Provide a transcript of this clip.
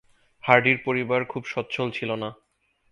হার্ডির পরিবার খুব সচ্ছল ছিল না।